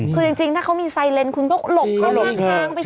คือจริงถ้าเขามีไซเรนคุณต้องหลบเข้าทางไปสิ